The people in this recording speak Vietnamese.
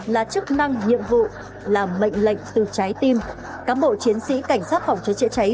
là chức năng nhiệm vụ là mệnh lệnh từ trái tim cám bộ chiến sĩ cảnh sát phòng cháy chữa cháy